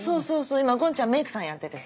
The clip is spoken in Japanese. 今ごんちゃんメイクさんやっててさ。